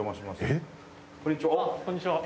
えっ？こんにちは。